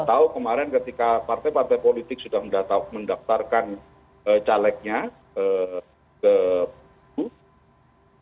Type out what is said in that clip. kita tahu kemarin ketika partai partai politik sudah mendaftarkan calegnya ke publik